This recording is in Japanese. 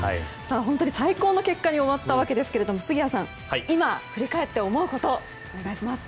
最高の結果に終わったわけですが杉谷さん、今振り返って思うことをお願いします。